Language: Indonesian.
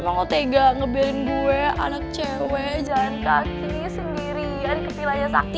emang lo tega nge ban gue anak cewe jalan kaki sendirian ke villanya sakti